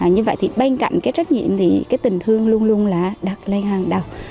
như vậy thì bên cạnh cái trách nhiệm thì cái tình thương luôn luôn là đặt lên hàng đầu